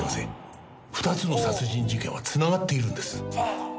２つの殺人事件は繋がっているんです。